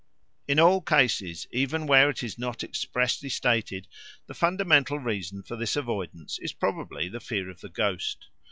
In all cases, even where it is not expressly stated, the fundamental reason for this avoidance is probably the fear of the ghost.